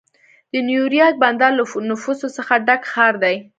د نیویارک بندر له نفوسو څخه ډک ښار دی.